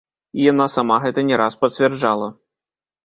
І яна сама гэта не раз пацвярджала.